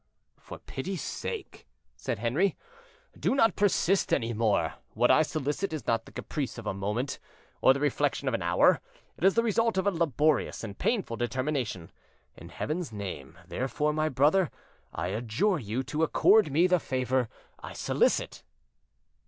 "For pity's sake," said Henri, "do not persist any more; what I solicit is not the caprice of a moment, or the reflection of an hour; it is the result of a laborious and painful determination. In Heaven's name, therefore, my brother, I adjure you to accord me the favor I solicit."